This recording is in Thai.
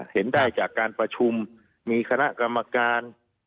เห็นได้จากการประชุมมีคณะกรรมการ